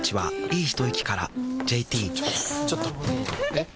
えっ⁉